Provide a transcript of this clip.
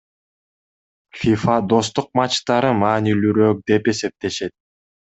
ФИФА достук матчтарын маанилүүрөөк деп эсептешет.